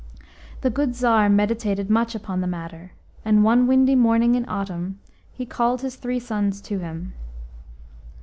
The good Tsar meditated much upon the matter, and one windy morning in autumn he called his three sons to him.